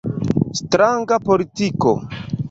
Stranga politiko.